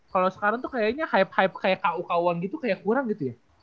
kalau sekarang tuh kayaknya hype hype kayak kuk uang gitu kayak kurang gitu ya